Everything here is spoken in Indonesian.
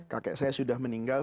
kakek saya sudah meninggal